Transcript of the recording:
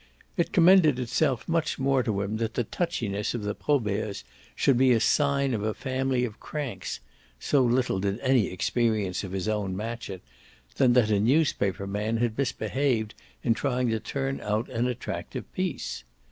It commended itself much more to him that the touchiness of the Proberts should be a sign of a family of cranks so little did any experience of his own match it than that a newspaper man had misbehaved in trying to turn out an attractive piece.